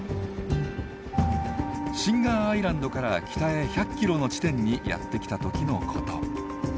シンガーアイランドから北へ１００キロの地点にやって来たときのこと。